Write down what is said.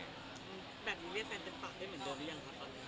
แบบนี้เรียกแฟนเป็นปากได้เหมือนเดิมหรือยังครับตอนนี้